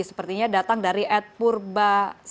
sepertinya datang dari ed purba satu